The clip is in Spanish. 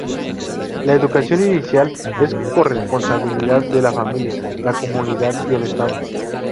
La educación inicial es corresponsabilidad de la familia, la comunidad y el Estado.